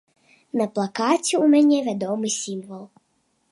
На плакаце ў мяне вядомы сімвал.